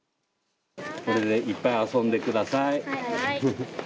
これでいっぱい遊んでください。